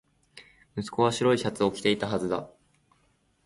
息子は白いシャツを着ていたはずだ